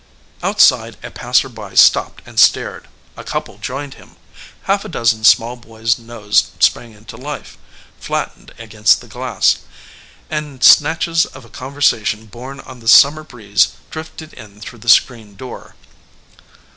Outside a passer by stopped and stared; a couple joined him; half a dozen small boys' nose sprang into life, flattened against the glass; and snatches of conversation borne on the summer breeze drifted in through the screen door.